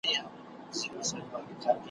خدای به راولي دا ورځي زه به اورم په وطن کي `